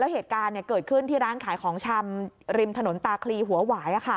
เหตุการณ์เกิดขึ้นที่ร้านขายของชำริมถนนตาคลีหัวหวาย